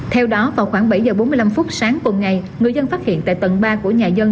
theo đó vào khoảng bảy giờ bốn mươi năm phút sáng cùng ngày người dân phát hiện tại tầng ba của nhà dân